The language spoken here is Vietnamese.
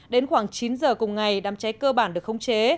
đến khoảng chín giờ cùng ngày đám cháy cơ bản được khống chế